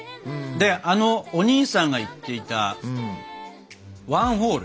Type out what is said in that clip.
であのおにいさんが言っていたワンホール。